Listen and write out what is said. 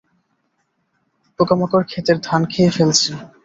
পোকামাকড় ক্ষেতের ধান খেয়ে ফেলছে।